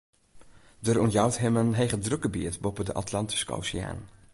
Der ûntjout him in hegedrukgebiet boppe de Atlantyske Oseaan.